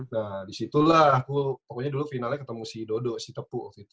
nah disitulah aku pokoknya dulu finalnya ketemu si dodo si tepu waktu itu